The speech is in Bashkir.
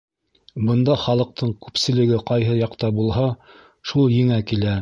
Бында халыҡтың күпселеге ҡайһы яҡта булһа, шул еңә килә.